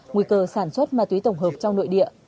nguy cơ sản xuất ma túy tổng hợp trong nội địa